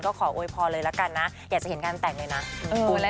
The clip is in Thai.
ก็ขอโวยพรเลยละกันนะอยากจะเห็นงานแต่งเลยนะ